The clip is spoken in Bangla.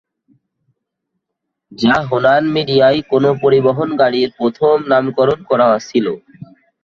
যা হুনান মিডিয়ায় কোন পরিবহন গাড়ির প্রথম নামকরণ করা ছিল।